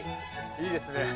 いいですね。